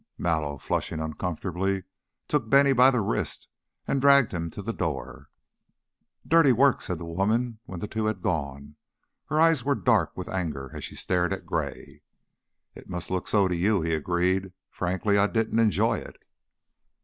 Mallow, flushing uncomfortably, took Bennie by the wrist and dragged him to the door. "Dirty work!" said the woman, when the two had gone. Her eyes were dark with anger as she stared at Gray. "It must look so to you," he agreed. "Frankly, I didn't enjoy it."